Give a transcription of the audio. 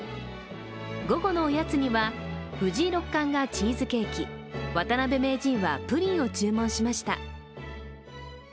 午後のおやつには藤井六冠がチーズケーキ渡辺名人はプリンを注文しました。